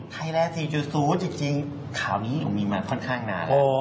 ไทยและ๔๐จริงข่าวนี้ก็มีมาค่อนข้างนานแล้ว